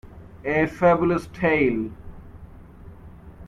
A Fabulous tale.